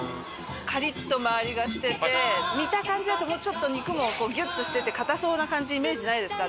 カリッと周りがしてて見た感じだとちょっと肉もギュッとしてて硬そうなイメージないですか？